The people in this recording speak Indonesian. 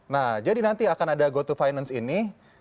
nah jadi nanti akan ada goto finance ini